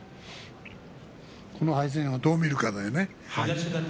この敗戦をどう見るかだね。